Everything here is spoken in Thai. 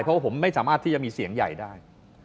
เพราะว่าผมไม่สามารถที่จะมีเสียงใหญ่ได้